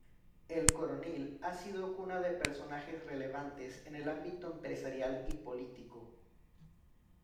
El Coronil ha sido cuna de personajes relevantes en el ámbito empresarial y político.